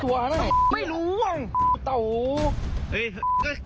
เฮ้ยเฮ้ยเฮ้ยเฮ้ย